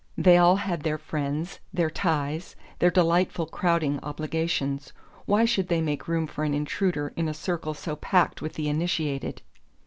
They all had their friends, their ties, their delightful crowding obligations: why should they make room for an intruder in a circle so packed with the initiated?